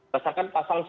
misalkan pasal sepuluh